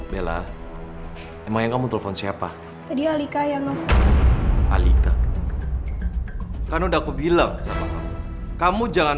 bella emang kamu telepon siapa tadi alika yang alika kan udah aku bilang siapa kamu jangan